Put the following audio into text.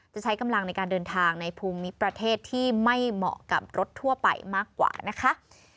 จะใช้กำลังในการเดินทางในภูมิประเทศที่ไม่เหมาะกับรถทั่วไปมากกว่านะคะ